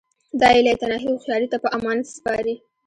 دا یې لایتناهي هوښیاري ته په امانت سپاري